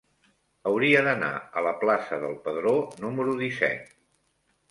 Hauria d'anar a la plaça del Pedró número disset.